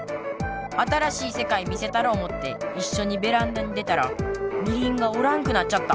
新しい世界見せたろ思っていっしょにベランダに出たらミリンがおらんくなっちゃった！